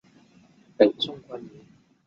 北宋官员。